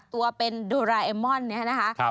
ตัวเป็นโดเรมอนนี้นะคะ